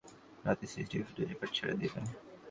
রাতে CCTV footage record ছেড়ে দিবে।